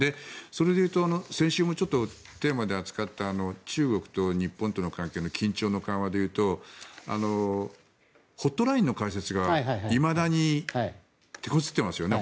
それでいうと先週もテーマで扱った中国と日本との関係との緊張緩和でいうとホットラインの開設がいまだにてこずっていますよね。